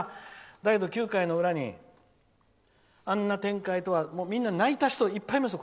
だけど９回の裏にあんな展開とは。泣いた人いっぱいいますよ